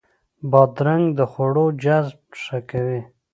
بادرنګ د خوړو جذب ښه کوي.